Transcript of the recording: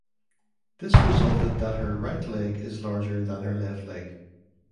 This resulted that her right leg is larger than her left leg.